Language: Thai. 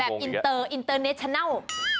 อินเตอร์อินเตอร์เนชนัล